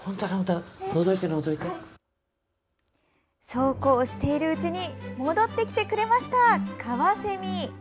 そうこうしているうちに戻ってきてくれました、カワセミ。